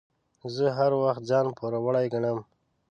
زه هر وخت ځان پوروړی ګڼم.